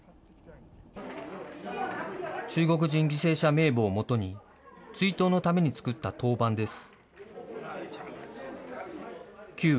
中国人犠牲者名簿を基に追悼のために作った陶板です。